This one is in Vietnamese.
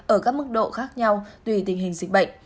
ở các mức độ khác nhau tùy tình hình dịch bệnh